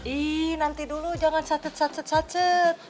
ih nanti dulu jangan sacet sacet sacet